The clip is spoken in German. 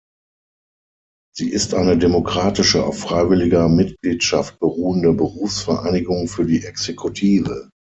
Sie ist eine demokratische, auf freiwilliger Mitgliedschaft beruhende Berufsvereinigung für die Exekutive.